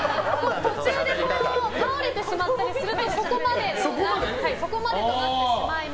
倒れてしまったりするとそこまでとなってしまいます。